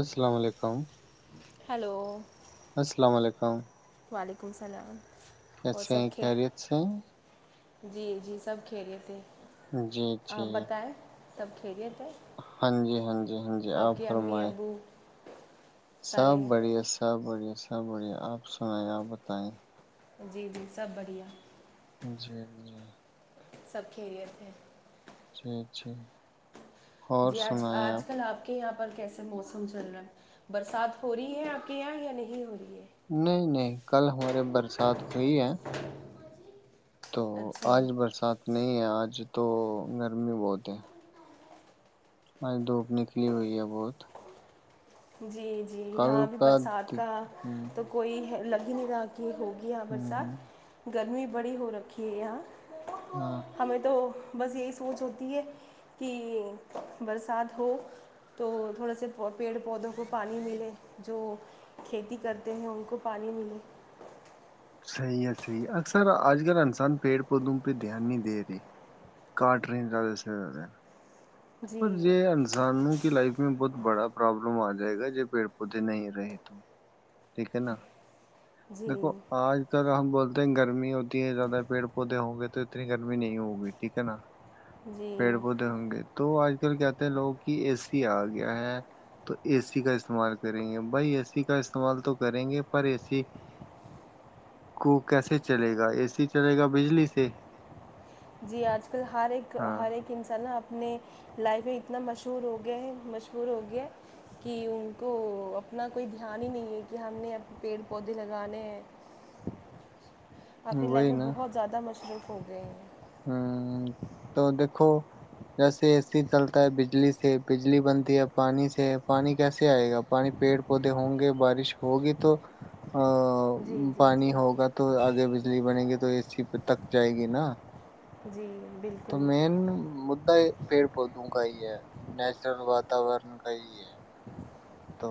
السلام علیکم ہلو السلام علیکم وعلیکم السلام کیا اور سے سب کھے کیاریت سے جی جی سب کھی رہے تھے جی جی تب کھیلے ہاں جی ہاں جی ہاں جی آپ کے امی فرمائے ابو سب سارے بڑھیا سب بڑھیا ایسا بڑھیا آپ سنیں آپ بتائیں جی جی سب بڑھیا جی سب کھیل اتے ہیں جٹھ ھ جی آج آج کل آپ کے یہاں کیسے موسم چل رہا برسات ہو رہی ہے آپ کے یہاں یا نہیں ہو رہی ہے نہیں نہیں کل ہمارے برسات ہوئی ہے تو اچھا جی آج برسات نہیں ہے آج مج تو گرمی بہت ہے ہ دھوپ نکلی ہوئی ہے بہت جی جی ہاں کل ابھی کا برسات د- کا ہوں تو کوئی لگ ددا ہوگی ہوں برسات گرمی بڑی ہو رکھی ہے آ ہاں ہمیں تو بس یہی سوچ ہوتی ہے کہ برسات ہو تو تھوڑے سے پیڑ پودوں کو پانی ملے جو کھیتی کرتے ہیں ان کو پانی ملے صحی ہے صحیح ہے اکثر آج کل انسان پیڑ پودوں پہ دھیان نہیں دے رہی کاٹ رہے ہیں زیادہ سے زیادہ جی پر یہ انسانوں کی لائف میں بہت بڑا پرابلم آ جائے گا ج پیڑ پودے نہیں رہے تو ٹھیک ہے نا جی دیکھو آج ک ہم بولتے ات گرمی ہوتی ہے زیادہ پیڑ پودے ہ گئے تو اتنی گرمی نہیں ہوگی ٹھیک ہے نا جی پیڑ پودے ہوں گے تو آج کل کہتے ہیں لوگ کہ اے سی آ گیا ہے تو اے سی کا استعمال کریں گے بھائی اے سی کا استعمال تو کریں گے پر اے سی کو کیسے چلے گا اے سی چلے گا بجلی سے جی آج کل ہر ایک ہاں ہر ایک انسان نا اپنے لائف میں اتنا مشہور ہو گیا ہیں مشہور ہو گیا کہ ان کو اپنا کوئی دھیان ہی نہیں ہے کہ ہم نے پیڑ پودے لگانے ہیں آپنی لائف میں بہت زیادہ مشروف پودے ہ تو دیکھو جیسے اے سی چلتا ہے بجلی سے بجلی بنتی ہے پانی سے پانی کیسے آئے گا پانی پیڑ پودے ہوں گے بارش ہوگی تو ا جی جی پانی جی ہوگا تو آگے بجلی بنے گی تو ا سی پہ تک جائے گی نا جی تو بالکل مین مدا ہے پیڑ پودوں کا ہی ہے نیچرل واتورن کا ہی ہے تو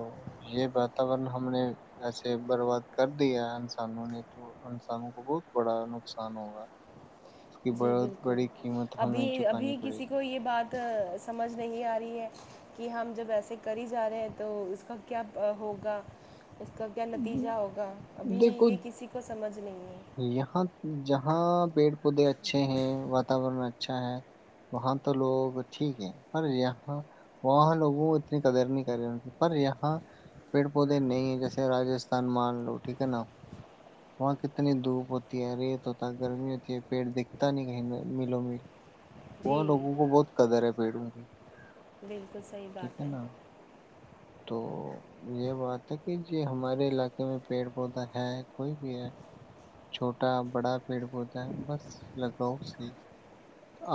یہ واتورن ہم نے ایسے برباد کر دیا انسانوں نے تو انسانوں کو بہت بڑا نقصان ہوگا کی جی بہت بالکل بڑی قیمت ابھی ہمیں چکانی ابھی پڑے کسی گی کو یہ بات سمجھ نہیں آ رہی ہے کہ ہم جب ایسے کر ہی جا رہے ہیں تو اس کا کیا ہوگا اس کا کیا نتیجہ ہوگا ابھی دیکھو یہ کسی کو سمجھ نہیں ہے یہاں جہاں پیڑ خ اچھے ہیں واتاورن اچ اچھا ہے وہاں تو لوگ ٹھیک ہے پر یہاں وہاں لوگوں اتنی قدر نہیں کر رہے ان کی پر یہاں پیڑ پودے نہیں ہیں جیسے راستھان مان لو ٹھیک ہے نا وہاں ک اتنی دھوپ ہوتی ہے ریت ہوتا ہے گرمی ہوتی ہے پیٹ دکھتا نہیں کہیں ملوں مل جی وہاں لوگوں کو بہت کدر ہے پیڑوں گی بالکل صحیح بات ہے تو یہ بات ہے کہ یہ ہمارے علاقے میں پیڑ پودا ہے کوئی بھی ہے چھوٹا بڑا پیڑ پودا ہے بس لگاؤ سی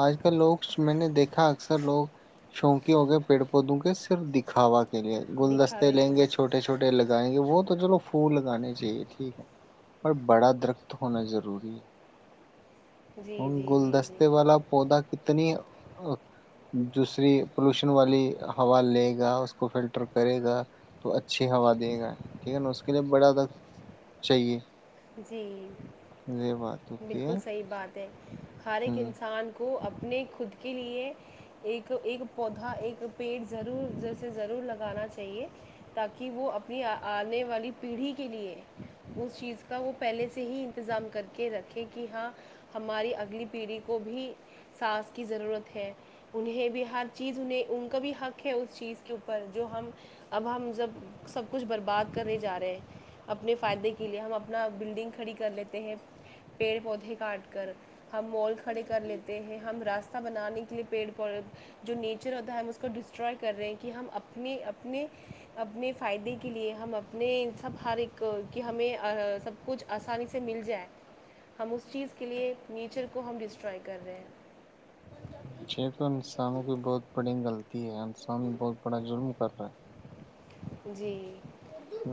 آج کل لوگ میں نے دیکھا اکثر لوگ شوقی ہو گئے پیڑ پودوں کے صرف دکھاوا [unintelligible] گلدستے دکھاوے کے لیں گے لیے چھوٹے چھوٹے لگائیں گے وہ تو چلو پھول لگانے چاہیے ٹھیک ہے پر بڑا درخت ہونا ضروری ہے جی ہ جی جی گلدستے جی والا پودا کتنی دوسری پولوشن والی ہوا لے گا اس کو فلٹر کرے گا تو اچھی ہوا دے گا ٹھیک ہے نا اس کے لیے بڑا تھا چاہیے جی یہ بات ہوتی بالکل ہے صحیح بات ہے ہر ایک ہ انسان کو کو اپنے خود کے لیے ایک ایک پودا ایک پیڑ ضرور جیے ضرور لگانا چاہیے تاکہ وہ اپنی آنے والی پیڑھی کے لیے اس چیز کا وہ پہلے سے ہی انتظام کر کے رکھیں کہ ہاں ہماری اگلی پیڑھی کو بھی سانس کی ضرورت ہے انہیں بھی ہر چیز انہیں ان کا بھی حق ہے اس چیز کے اوپر جو ہم اب ہم جب سب کچھ برباد کرنے جا رہے ہیں اپنے فائدے کے لیے ہم اپ اپنا بلڈنگ کھڑی کر لیتے ہیں پیڑ پودے کاٹ کر ہم مال کھڑے کر لیتے ہیں ہم راستہ بنانے کے لیے پیڑ پودے جو نیچر ہوتا ہے ہم اس کو ڈسٹرائے کر رہے ہیں کہ ہم اپنے اپنے اپنے فائدے کے لیے ہم اپنے سب ہر ایک کے ہمیں سب کچھ آسانی سے مل جائے ہم اس چیز کے لیے نیچر کو ہم ڈسٹرائے کر رہے ہیں جی تو انسانوں کی بہت بڑی غلطی ہے انسان بہت بڑا ظلم کر رہا ہے جی ہ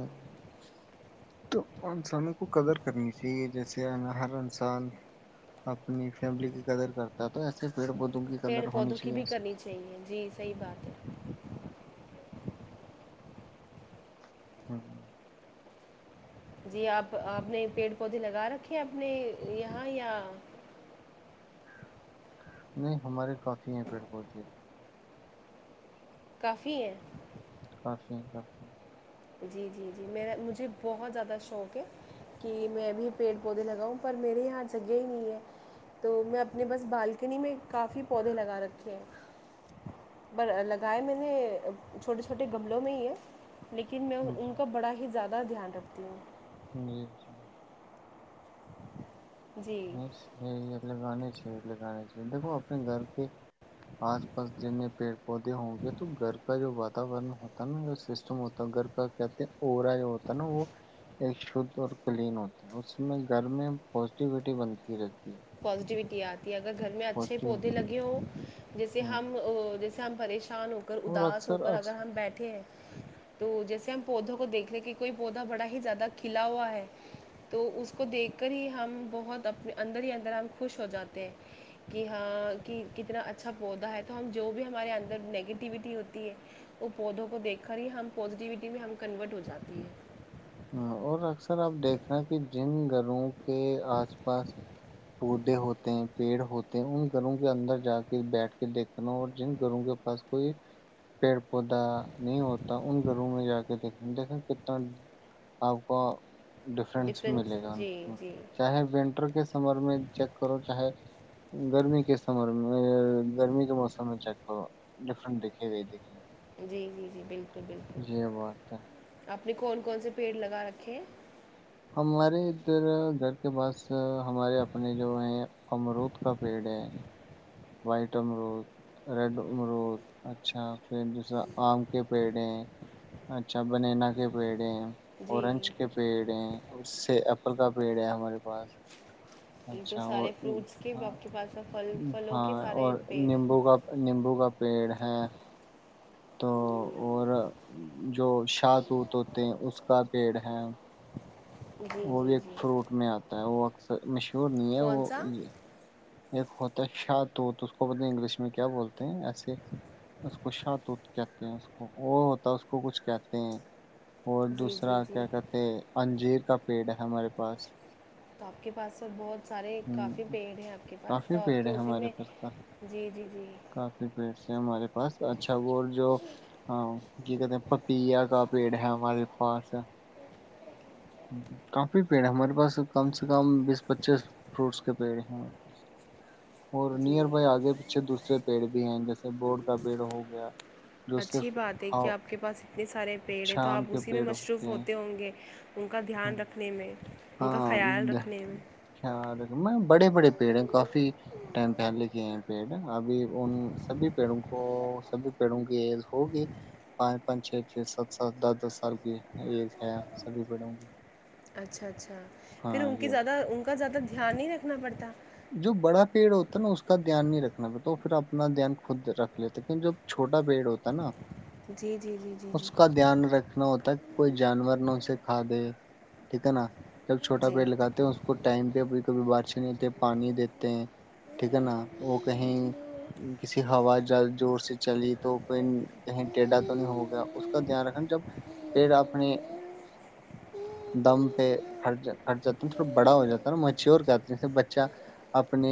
تو انسانوں کو قدر کرنی چاہیے جیسے ہر انسان اپنی فیملی کی قدر کرتا تھا پیڑ پودوں کی بھی کرنی چاہیے جی صحی بات ہے [inaudible] جی آپ آپ نے پیڑ پودے لگا رکھے اپنے یہاں یا نہیں ہمارے کافی ہیں پیڑ پودے کافی ہیں کافی کافی جی جی جی میرا مجھے بہت زیادہ شوق ہے کہ میں بھی پیڑ پودے لگاؤں پر میرے یہاں جگہ ہی نہیں ہے تو میں اپنے بس بالکنی میں کافی پودے لگا رکھے ہیں پر لگائے میں نے چھوٹے چھوٹے گملوں میں ہی ہے لیکن میں ہیں جی ان کا بڑا ہی زیادہ بڑا دھیان رکھتی ہوں جی جی جی بس گئے تھے اپ کالج لگانانی چاہیے دیکھو اپنے گھر کے آس پاس جتنے پیڑ پودے ہوں گے تو گھر کا جو واتورن ہوتا نا جو سسٹم ہوتا گھر کا کہتے ہیں ارا جو ہوتا ہے نا وہ ایک شھ اور کلین ہوتا ہے اس میں گھر میں ایکٹیوٹی بنتی رہتی ہے پزیٹیویٹی آتی اگر گھر میں اچھے پازیٹیو پودے لگے ہو جیسے ہاں ہم جیسے ہم پریش شان ہو کر اور اداس ہو اکثر کر اگر اکثر ہم بیٹھے ہیں تو جیسے ہم پودوں کو دیکھ لے کہ کوئی پودا بڑا ہی زیادہ کھلا ہوا ہے تو اس کو دیکھ کر ہی ہم بہت اپنے اندر ہی اندر ہم خوش ہو جاتے ہیں کہ ہاں کہ کتنا اچھا پودا ہے تو ہم جو بھی ہمارے اندر نگیٹیوٹی ہوتی ہے وہ پودوں کو دیکھ کر ہی ہم پوزیٹیوٹی میں ہم کنورٹ ہو جاتی ہیں ہاں اور اکثر آپ دیکھ رہے کہ جن گھروں کے آس پاس پودے ہوتے ہیں پیڑ ہوتے ہیں ان گھروں کے اندر جا کے بیٹھ کے دیکھنا اور جن گھروں کے پاس کوئی پیڑ پودا نہیں ہوتا ان گھروں میں جا کے دیکھنا دیکھا کتنا آپ کو ڈفرنس ڈفرینس ملے گا ان جی کو جی چاہے ونٹر کے سمر میں چیک کرو چاہے گرمی کے سمر میں گرمی کے موسم میں چیک کرو ڈفرنٹ دکھے گے جی جی جی بالکل بالکل یہ بات ہے اب اپنے کون کون سے پیڑ لگا رکھے ہیں ہمارے ادھر گھر کے پاس ہمارے اپنے جو ہیں امرود کا پیڑ ہے وائٹ امرود ریڈ امرود اچھا پھر دوسرا آم کے پیڑے اچھا بنینا کے پیڑے جی اورنج کے پیڑ ہیں اس سے ایپل کا پیڑ ہے ہمارے پاس تو اچھا وہ سارے فروٹس کے بھی ہاں آپ کے پاس میں پھل پھلوں کے سارے اور پیڑ نیمبو کا نیمبو کا پیڑ ہے تو اور جو شات ووت ہوتے ہیں اس کا پیڑ ہے جی وہ بھی جی ایک جی فروٹ میں آتا ہے وہ سہ مش شورنی ہے کون وہ سا ایک ہوتا ہے شاہتوت اس کو پ انگلش میں کیا بولتے ہیں ایسے اس کو شاہتوت کہتے ہیں اس کو وہ ہوتا ہے اس کو کچھ کہتے ہیں اور جی جی دوسرا جی کیا کہتے انجیر کا پیڑ ہے ہمارے پاس تو آپ کے پاس س بہت سارے کافی ہ پیڑ ہے آپ کے پاس کافی تو آپ پیڑ ہیں تو اسی ہمارے میں پاس کا جی جی جی کافی پیڑ ہیں ہمارے پاس اچھا وہ جو ہاں یہ کہتے ہیں پپیا کا پیڑ ہے ہمارے پاس کافی پیڑ ہمارے پاس کم سے کم بیس پچیس فروٹس کے پیڑ ہیں [inaudible] اور نیئر جی بائی آگے پیھے دوسے پیڑ بھی ہیں جیسے بورڈ کا پیڑ ہو گیا جو اچھی صرف بات ہے کہ ہاں آپ کے پاس اتنے سارے پیڑ ہیں تو آپ شام کے اسی میں پیڑ مصروف ہوتے ہیں ہوں گے ان کا دھیان رکھنے میں ان کا ہاں خیال د- رکھنے میں کیا رقم میں بڑے بڑے پیڑ کافی ٹائم پہ لے کے ہیں پیڑ ابھی ان سبھی پیڑوں کو سبھی پیڑوں کی ایج ہوگی پانچ پانچ چھ چھ سات سات دس دس سال کی ایج ہے سبھی پیڑوں کی اچھا اچھا پھر ہاں ان کی یہ زیادہ بات۔ ان کا زیادہ دھیان نہیں رکھنا پڑتا جو بڑا پیڑ ہوتا ہے نا اس کا دھیان نہیں رکھنا پڑتا وہ پھر اپنا دھیان خود رکھ لیتے کی جب چھوٹا پیڑ ہوتا ہے نا جی جی جی جی جی اس کا دھیان رکھنا ہوتاک کوئی جانور نہا ان سے کھا دے ٹھیک ہے نا جب چھوٹا جی جی پیڑ لگاتے ہیں اس کو ٹائم پہ کبھی بارش نہیں تو [unintelligible] پانی دیتے ہیں ٹھیک ہے نا وہ کہیں کسی ہوا جل جوور سے چلی تو کوئی کہیں ٹیھا تو نہیں ہوگیا اس کا دھیان رکھنا جب پیڑ اپنے دم پہر خرچ جاتا ہے نا تھوڑا بڑا ہو جاتا ہے نا مچیور کہتے ج اپنے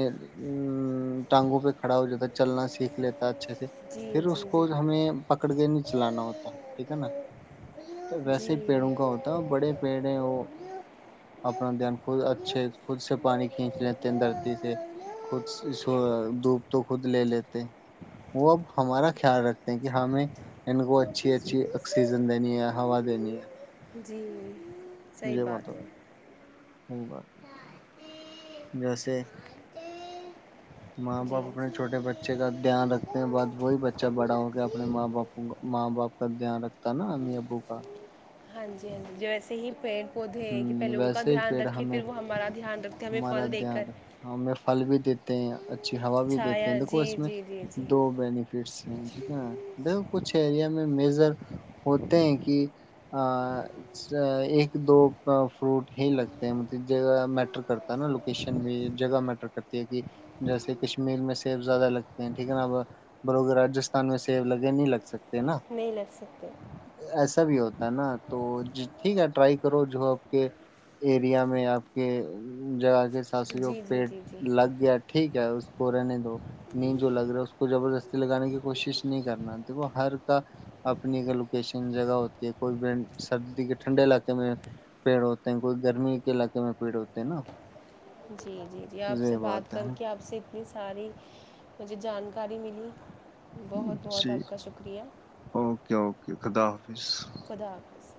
ٹانگوں پہ کھڑا ہو جاتا چلنا سیکھ لیتا اچھے سے پھر اس کو ہمیں پکڑ کے نہیں چلانا ہوتا ٹھیک ہے نا تو ویسے ہی پیڑوں جی کا ہوتا اور بڑے پیڑ وہ اپنا دھیان خود اچھے خود سے پانی کھینچ لیتے دھرتی سے خود جی جی دوپ تو خود لے لیتے وہ اب ہمارا خیال رکھتے ہیں کہ ہمیں ان کو اچھی چھوٹی سی اچھی کوسی آکسیجن دینی ہے کوئی ہوا نہیں دینی ہے جی صحیح بات ہے سی بات ہوتی ہے جیسے [unintelligible] ماں جی باپ ہاں اپنے جی چھوٹے بچے کا دھیان رکھتے ہیں بعد وہی بچہ بڑا ہو کے اپنے ماں باپ ماں باپ کا دھیان رکھتا ہے نا امی ابو کا ہاں جی ہاں جی [unintelligible] جیسے ہی پیڑ پودے ہ ہیں کہ پہلے ان کا ویسے ہی دھیان پیڑ رکھے ہمیں پھر وہ ہمارا دھیان رکھتے ہیں ہمیں ہمارا پھل دے دھیان کر رکھ ہم پھل بھی دیتے ہیں اچھی ہوا بھی دیتے ہیں چھایا دیکھو جی اس میں جی جی جی دو بینیفٹس ہیں ٹھیک ہے نا دیک کچھ ایریا میں میزر ہوتے ہیں کہ ایک دو فروٹ ہی لگتے مطلب ج م مر کرتا ہے نا لوکیشن بھی جگہ میٹر کرتی ہے کہ جیسے کشمیر میں سیب زیادہ لگتے ہیں ٹھیک ہے نا بروگر راستھان میں سیب لگے نہیں لگ سکتے نا میلستے ایسا بھی ہوتا نا تو ٹھیک ہے ٹرائی کرو جو آپ کے ایریا میں آپ کے جگا کے [unintelligible] سس جو جی جی پیٹ جی جی لگ گیا ٹھیک ہے اس اس کو رہنے دو نیند جو لگ رہا ہے اس کو زبردستی لگانے کی کوشش نہیں کرنا دیکھو ہر کا اپنی کا لوکیشن جگہ ہوتی ہے کوئی سردی کے ٹھنڈے علاقے میں پیڑ ہوتے ہیں کوئی گرمی کے علاقے میں پیڑ ہوتے نا [unintelligible] جی جی آپ سے یہ بات ہے کر نا کے آپ سے اتنی ساری مجھے جانکاری ملی بہت بہت جی آپ کا شکریہ اوکے اوکے خدا حافظ خدا حافظ